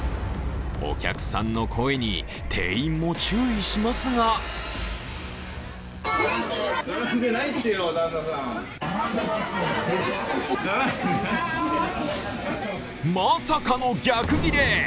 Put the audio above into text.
お客さんの声に店員も注意しますがまさかの逆ギレ。